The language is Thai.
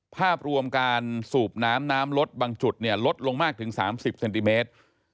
ภาพรวมการสูบน้ำน้ำลดบางจุดเนี่ยลดลงมากถึง๓๐เซนติเมตร